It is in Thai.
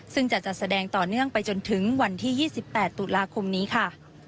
ซึ่งจะจัดแสดงต่อเนื่องไปจนถึงวันที่๒๘ตุลาคมนี้ค่ะ